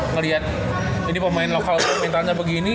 ngelihat ini pemain lokal mentalnya begini